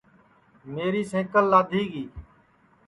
میری سینٚکل لادھی گی